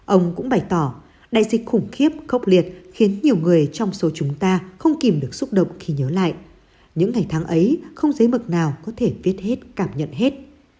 ông cũng bày tỏ đại dịch khủng khiếp khốc liệt khiến nhiều người trong số chúng ta không kìm được xúc động khi nhớ lại những ngày tháng ấy không giấy mực nào có thể viết hết cảm nhận hết